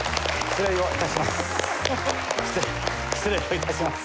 失礼を致します。